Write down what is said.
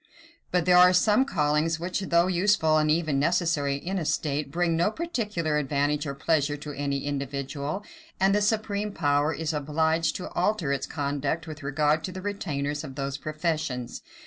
But there are also some callings which, though useful and even necessary in a state, bring no particular advantage or pleasure to any individual; and the supreme power is obliged to alter its conduct with regard to the retainers of those professions.